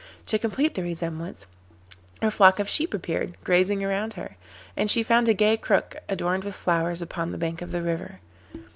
To complete the resemblance, her flock of sheep appeared, grazing round her, and she found a gay crook adorned with flowers upon the bank of the river.